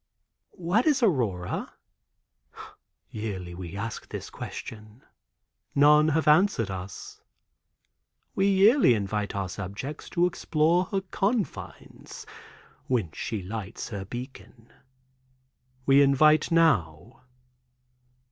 "What is aurora?" "Yearly we ask this question. None have answered us. We yearly invite our subjects to explore her confines, whence she lights her beacon. We invite now."